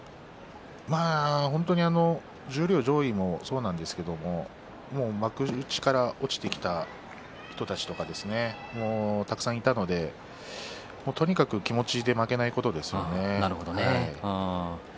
十両上位もそうなんですけれども幕内から落ちてきた人たちとかたくさんいたのでとにかく気持ちで負けないことですよね。